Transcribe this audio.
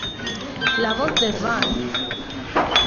La voz de Van suena casi estrangulada en el último estribillo".